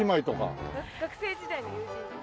学生時代の友人です。